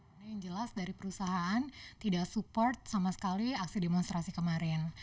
ini yang jelas dari perusahaan tidak support sama sekali aksi demonstrasi kemarin